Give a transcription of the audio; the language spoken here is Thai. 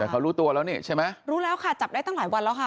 แต่เขารู้ตัวแล้วนี่ใช่ไหมรู้แล้วค่ะจับได้ตั้งหลายวันแล้วค่ะ